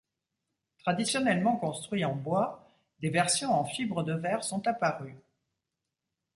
Traditionnellement construit en bois, des versions en fibre de verre sont apparues.